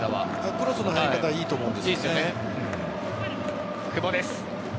クロスの入り方はいいと思うんです。